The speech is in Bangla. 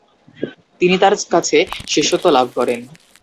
তিনি তার কাছে শিষ্যত্ব লাভ করেন।